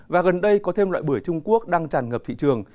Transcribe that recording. và gần đây có thêm loại bưởi trung quốc đang tràn ngập thị trường